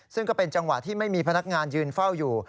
ซึ่งก็เป็นจังหวะที่ไม่มีพนักงานยืนเฝ้าอยู่